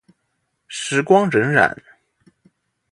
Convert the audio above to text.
时光荏苒。